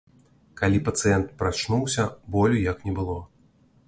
Калі пацыент прачнуўся, болю як не было.